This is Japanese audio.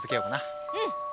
うん！